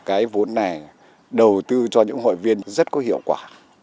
cái vốn này đầu tư cho những hội viên rất có hiệu quả